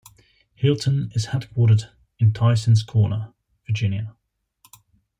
Hilton is headquartered in Tysons Corner, Virginia.